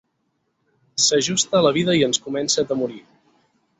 S'ajusta a la vida i ens comença a atemorir.